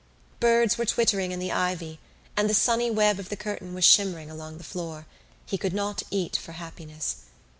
Birds were twittering in the ivy and the sunny web of the curtain was shimmering along the floor: he could not eat for happiness.